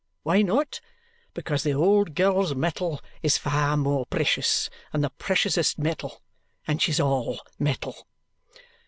Why not? Because the old girl's metal is far more precious than the preciousest metal. And she's ALL metal!"